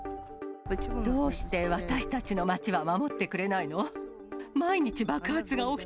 どうして私たちの街は守ってくれないの。